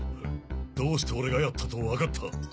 どうして俺がやったと分かった？